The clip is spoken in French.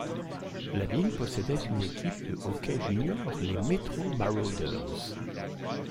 La ville possédait une équipe de hockey junior, les Metro Marauders.